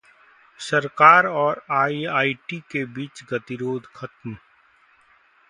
सरकार और आईआईटी के बीच गतिरोध खत्म